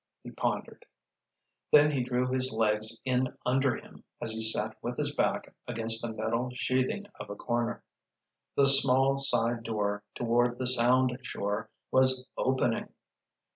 he pondered. Then he drew his legs in under him as he sat with his back against the metal sheathing of a corner. The small, side door, toward the Sound shore, was opening!